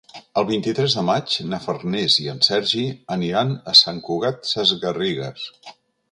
El vint-i-tres de maig na Farners i en Sergi aniran a Sant Cugat Sesgarrigues.